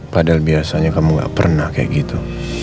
padahal biasanya kamu gak pernah kayak gitu